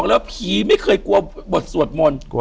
อยู่ที่แม่ศรีวิรัยิลครับ